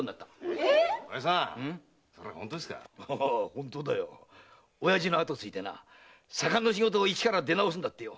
本当だよ親父の後を継いで左官の仕事を一から出直すんだってよ。